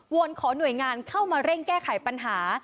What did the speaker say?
อนขอหน่วยงานเข้ามาเร่งแก้ไขปัญหา